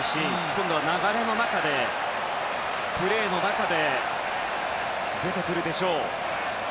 今度は流れの中でプレーの中で出てくるでしょう。